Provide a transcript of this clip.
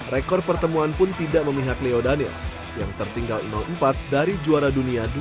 rekor pertemuan pun tidak memihak leo daniel yang tertinggal empat dari juara dunia dua ribu dua puluh